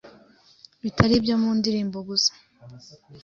bitari ibyo mu ndirimbo gusa